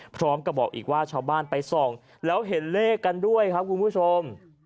พร้อมกับบอกอีกว่าชาวบ้านไปส่องแล้วเห็นเลขกันด้วยครับคุณผู้ชม